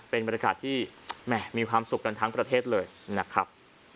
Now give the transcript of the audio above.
เป็นบรรยากาศที่มีความสุขกันทั้งประเทศเลยนะครับ